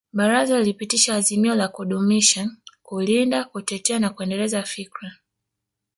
Baraza lilipitisha azimio la kudumisha kulinda kutetea na kuendeleza fikra